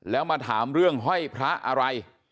แล้วมาถามเรื่องห้อยพระอะไร